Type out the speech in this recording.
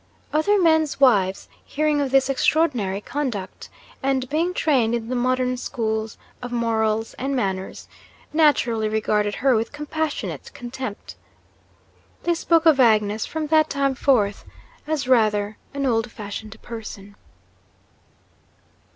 Other men's wives, hearing of this extraordinary conduct (and being trained in the modern school of morals and manners), naturally regarded her with compassionate contempt. They spoke of Agnes, from that time forth, as 'rather an old fashioned person.'